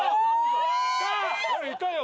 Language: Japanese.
いたよ。